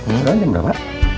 udah jam berapa